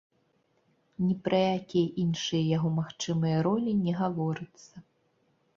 Ні пра якія іншыя яго магчымыя ролі не гаворыцца.